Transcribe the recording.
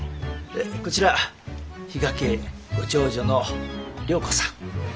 こちら比嘉家ご長女の良子さん。